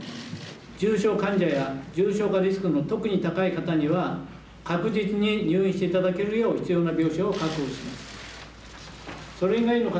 重症患者や重症化リスクの特に高い方には確実に入院して頂けるよう必要な病床を確保します。